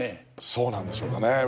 そうなんでしょうかね。